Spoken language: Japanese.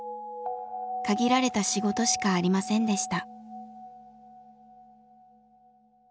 限られた仕事しかありませんでした。